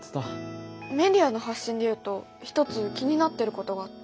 メディアの発信で言うと一つ気になってることがあって。